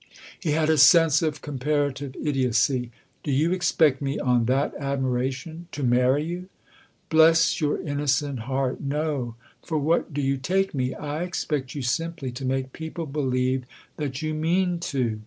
He had a sense of comparative idiotcy. " Do you expect me on that admiration to marry you ?"" Bless your innocent heart, no ! for what do you take me ? I expect you simply to make people believe that you mean to."